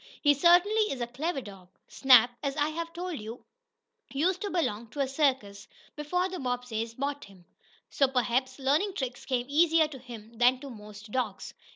He certainly is a clever dog!" Snap, as I have told you, used to belong to a circus before the Bobbseys bought him, so perhaps learning tricks came easier to him than to most dogs.